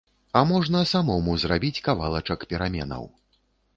А можна самому зрабіць кавалачак пераменаў.